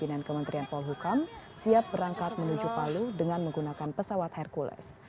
untuk memudahkan pengiriman informasi dan data pasca